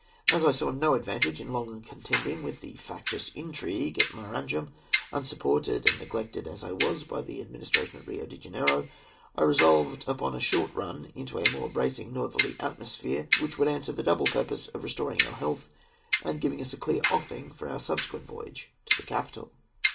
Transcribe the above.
As I saw no advantage in longer contending with factious intrigues at Maranham, unsupported and neglected as I was by the Administration at Rio de Janeiro, I resolved upon a short run into a more bracing northerly atmosphere, which would answer the double purpose of restoring our health and of giving us a clear offing for our subsequent voyage to the capital.